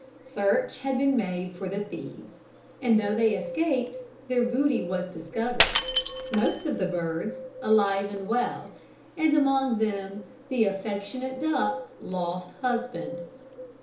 Search had been made for the thieves; and though they escaped, their booty was discovered, most of the birds alive and well, and among them the affectionate duck's lost husband.